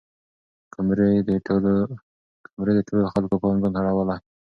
کمرې د ټولو خلکو پام ځان ته اړولی.